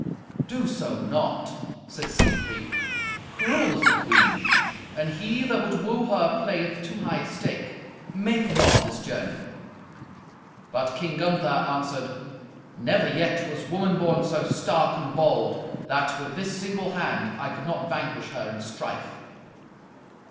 "Do so not," said Siegfried. "Cruel is the queen, and he that would woo her playeth too high a stake. Make not this journey." But King Gunther answered, "Never yet was woman born so stark and bold, that, with this single hand, I could not vanquish her in strife."